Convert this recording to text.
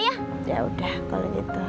ya udah kalau gitu